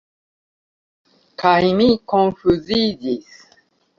Kaj mi konfuziĝis.